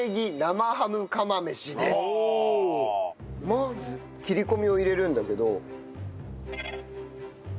まず切り込みを入れるんだけど。